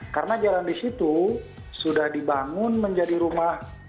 karena jalan di situ sudah dibangun menjadi rumah